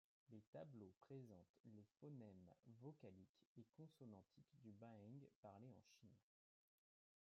Les tableaux présentent les phonèmes vocaliques et consonantiques du baheng parlé en Chine.